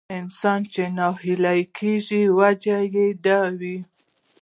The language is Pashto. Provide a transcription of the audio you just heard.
انسان چې ناهيلی کېږي وجه يې دا وي.